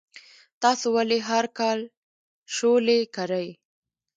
تاسو ولې هر کال شولې کرئ؟